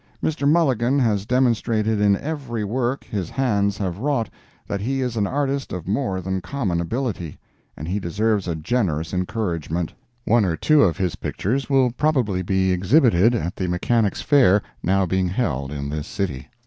Mr. Mulligan has demonstrated in every work his hands have wrought, that he is an artist of more than common ability, and he deserves a generous encouragement. One or two of his pictures will probably be exhibited at the Mechanics' Fair now being held in this city.